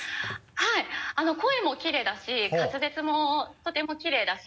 はい声もきれいだし滑舌もとてもきれいだし。